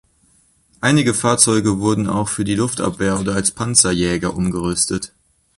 Einige Fahrzeuge wurden auch für die Luftabwehr oder als Panzerjäger umgerüstet.